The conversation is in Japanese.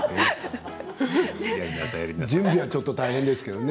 準備はちょっと大変ですけどね。